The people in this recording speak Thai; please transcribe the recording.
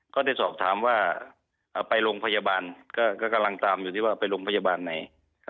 ก็ได้สอบถามว่าไปโรงพยาบาลก็กำลังตามอยู่ที่ว่าไปโรงพยาบาลไหน